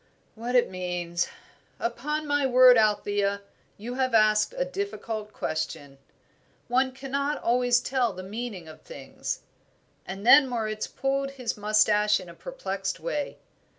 "What it means. Upon my word, Althea, you have asked a difficult question. One cannot always tell the meaning of things." And then Moritz pulled his moustache in a perplexed way.